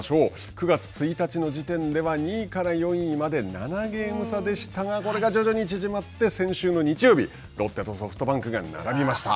９月１日の時点では、２位から４位まで７ゲーム差でしたが、これが徐々に縮まって、先週の日曜日、ロッテとソフトバンクが並びました。